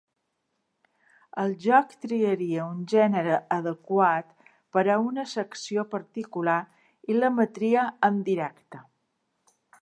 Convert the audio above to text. El joc triaria un gènere adequat per a una secció particular i l'emetria en directe.